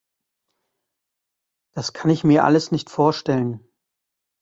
Das kann ich mir alles nicht vorstellen.